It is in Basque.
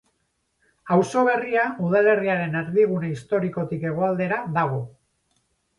Auzo berria udalerriaren erdigune historikotik hegoaldera dago.